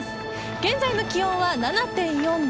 現在の気温は７．４度。